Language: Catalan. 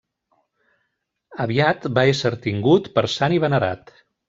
Aviat va ésser tingut per sant i venerat.